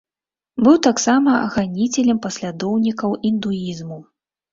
Быў таксама ганіцелем паслядоўнікаў індуізму.